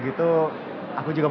hei sudah sudah